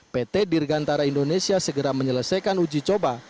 pt dirgantara indonesia segera menyelesaikan uji coba